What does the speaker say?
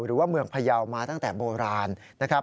หรือว่าเมืองพยาวมาตั้งแต่โบราณนะครับ